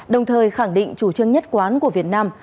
đồng thời khẳng định chủ trương nhất quán của việt nam